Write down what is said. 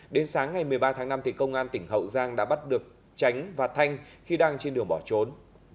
đến sáng ngày một mươi ba tháng năm công an tỉnh hậu giang đã bắt được tránh và thanh khi đang trên đường bỏ trốn